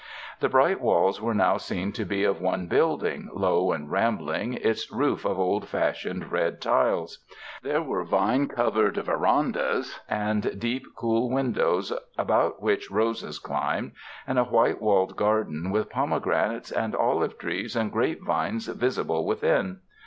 The bright walls were now seen to be of one building, low and rambling, its roof of old fashioned red tiles. There were vine covered verandas and deep cool windows about which roses climbed, and a white walled garden with pomegran ates and olive trees and grape vines visible within.